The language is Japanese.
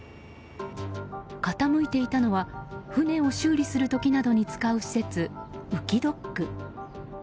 傾いていたのは船を修理する時などに使う施設浮きドック。